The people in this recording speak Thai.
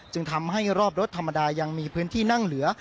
จึงทำให้รอบรถธรรมดายังมีพื้นที่นั่งเหลือ